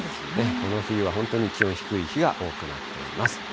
この冬は本当に気温低い日が多くなっています。